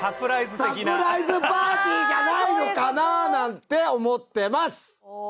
サプライズパーティーじゃないのかな？なんて思ってます！